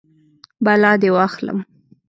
بلا دې واخلم.